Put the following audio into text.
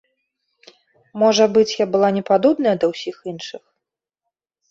Можа быць, я была непадобная да ўсіх іншых.